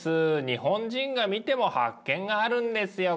日本人が見ても発見があるんですよ